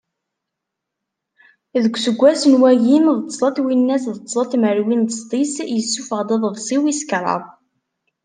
Deg useggas n wagim d tẓa n twinas d tẓa n tmerwin d sḍis yessuffeɣ-d aḍbsi wis kraḍ.